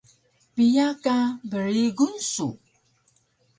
Piya ka brigun su?